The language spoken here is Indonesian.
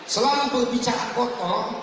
selalu berbicara kotor